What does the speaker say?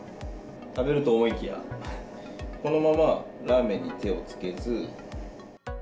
食べると思いきや、このままラーメンに手をつけず。